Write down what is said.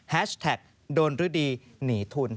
แท็กโดนฤดีหนีทุน